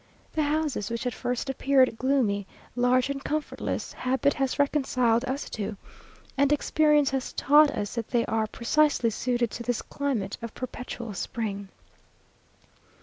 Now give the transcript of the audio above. The houses, which at first appeared gloomy, large, and comfortless, habit has reconciled us to, and experience has taught us that they are precisely suited to this climate of perpetual spring.